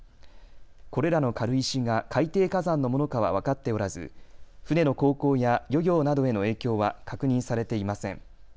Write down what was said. これらの軽石が海底火山のものかは分かっておらず船の航行や漁業などへの影響は確認されていません。